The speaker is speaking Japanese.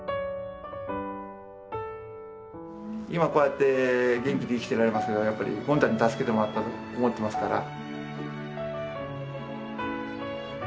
今こうやって元気で生きてられますけどやっぱりゴン太に助けてもらったと思ってますから。